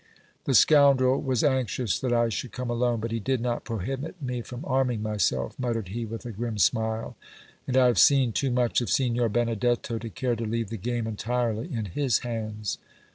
"The scoundrel was anxious that I should come alone, but he did not prohibit me from arming myself," muttered he, with a grim smile, "and I have seen too much of Signor Benedetto to care to leave the game entirely in his hands!"